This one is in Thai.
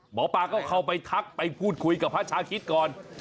หมอปลาก็เข้าไปทักไปพูดคุยกับพระชาคิดก่อน